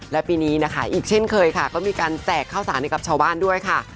และปีนี้นะคะอีกเช่นเคยค่ะก็มีการแจกข้าวสารให้กับชาวบ้านด้วยค่ะ